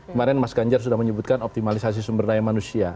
kemarin mas ganjar sudah menyebutkan optimalisasi sumber daya manusia